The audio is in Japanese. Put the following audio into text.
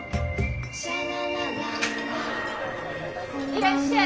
いらっしゃい。